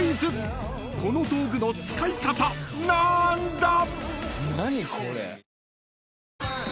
［この道具の使い方なーんだ？］